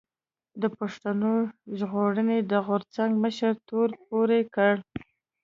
د پښتون ژغورنې د غورځنګ مشر تور پورې کړ